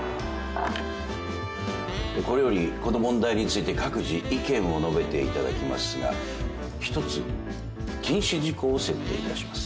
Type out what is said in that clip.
これよりこの問題について各自意見を述べていただきますが１つ禁止事項を設定いたします。